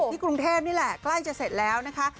กรุงเทพนี่แหละใกล้จะเสร็จแล้วนะคะ